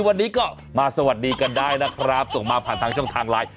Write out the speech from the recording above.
วันนี้ก็มาสวัสดีกันได้นะครับส่งมาผ่านทางช่องทางไลน์